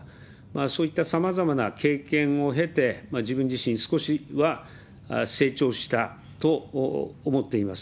そういったさまざまな経験を経て、自分自身、少しは成長したと思っています。